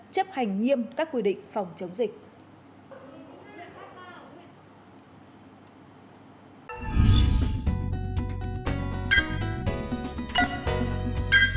chấp hành nghiêm các quy định phòng chống dịch